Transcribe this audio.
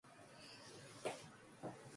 사면은 몹시 고요하여 장엄한 전각 속 같았다.